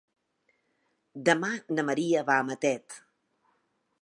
Demà na Maria va a Matet.